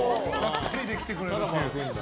２人で来てくれるんだ。